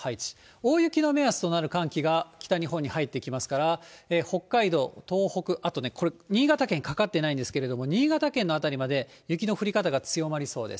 大雪の目安となる寒気が北日本に入ってきますから、北海道、東北、あとね、これ新潟県にかかってないんですけど、新潟県の辺りまで雪の降り方が強まりそうです。